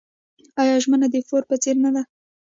آیا ژمنه د پور په څیر نه ده؟